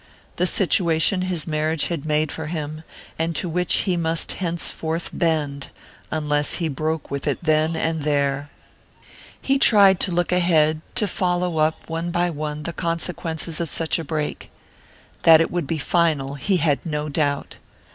the situation his marriage had made for him, and to which he must henceforth bend, unless he broke with it then and there.... He tried to look ahead, to follow up, one by one, the consequences of such a break. That it would be final he had no doubt.